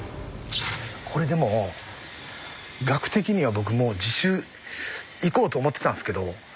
これでも額的には僕自首いこうと思ってたんですけど